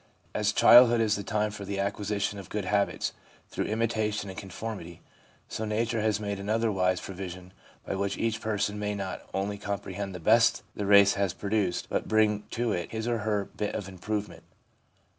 As childhood is the time for the acquisition of good habits through imitation and conformity, so nature has made another wise provision by which each person may not only comprehend the best the race has pro duced, but bring to it his or her bit of improvement.